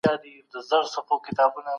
ولسمشر نظامي مداخله نه غواړي.